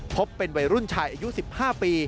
พบเป็นวัยรุ่นชายอายุ๑๕ปี